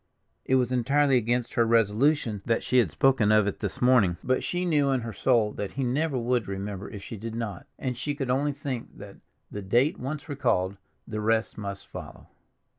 It was entirely against her resolution that she had spoken of it this morning, but she knew in her soul that he never would remember if she did not, and she could only think that, the date once recalled, the rest must follow.